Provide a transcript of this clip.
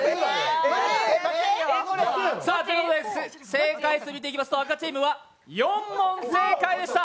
正解数を見ていきますと、赤チームは４問正解でした。